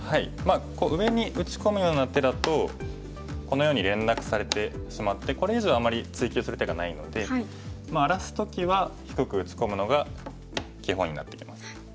こう上に打ち込むような手だとこのように連絡されてしまってこれ以上あまり追及する手がないので荒らす時は低く打ち込むのが基本になってきます。